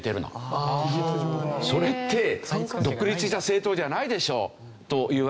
それって独立した政党じゃないでしょというわけ。